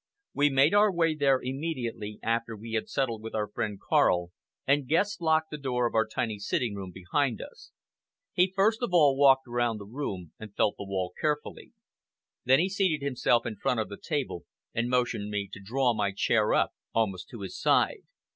We made our way there immediately after we had settled with our friend Karl, and Guest locked the door of our tiny sitting room behind us. He first of all walked round the room and felt the wall carefully. Then he seated himself in front of the table and motioned me to draw my chair up almost to his side.